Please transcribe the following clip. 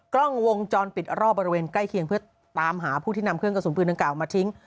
กล้องวงจรปิดรอบบริเวณใกล้เคียงเพื่อตามหาผู้ที่นำเครื่องกระสุนปืนดังกล่ามาทิ้ง